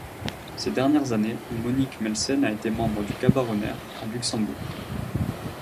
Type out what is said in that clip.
Ces dernières années Monique Melsen a été membre du Cabarenert, à Luxembourg.